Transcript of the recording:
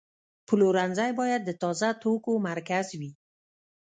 پلورنځی باید د تازه توکو مرکز وي.